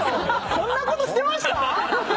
こんなことしてました？